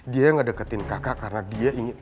dia ngedeketin kakak karena dia ingin